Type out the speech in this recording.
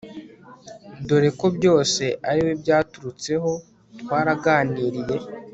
doreko byose ariwe byaturutseho twaraganiriye